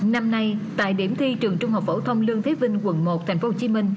năm nay tại điểm thi trường trung học phổ thông lương thế vinh quận một tp hcm